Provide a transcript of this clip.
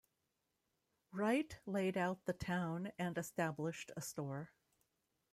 Wright laid out the town and established a store.